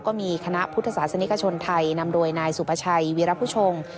ก็มีคณะพุทธศาสนิกชนไทยนำโดยนายสุภาชัยวีรพุชง